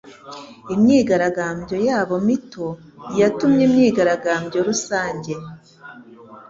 Imyigaragambyo yabo mito yatumye imyigaragambyo rusange.